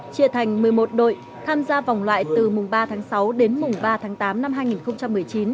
chia thành một mươi một đội tham gia vòng loại từ mùng ba tháng sáu đến mùng ba tháng tám năm hai nghìn một mươi chín